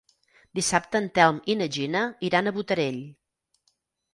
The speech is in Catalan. Dissabte en Telm i na Gina iran a Botarell.